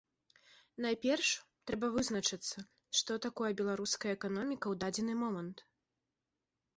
Найперш, трэба вызначыцца, што такое беларуская эканоміка ў дадзены момант.